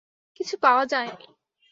কিছু পাওয়া যায়নি।